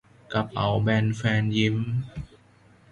กระเป๋าแบนแฟนยิ้ม